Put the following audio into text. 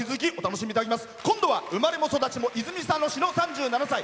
今度は生まれも育ちも泉佐野市の３７歳。